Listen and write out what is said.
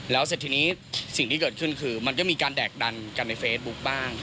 แล้วเสร็จทีนี้สิ่งที่เกิดขึ้นคือมันก็มีการแดกดันกันในเฟซบุ๊คบ้าง